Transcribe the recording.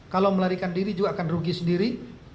kalau melarikan diri juga akan rugi sendiri